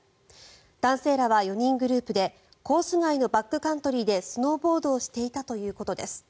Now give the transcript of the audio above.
男性らは４人グループでコース外のバックカントリーでスノーボードをしていたということです。